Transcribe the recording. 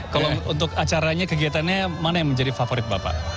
kalau untuk acaranya kegiatannya mana yang menjadi favorit bapak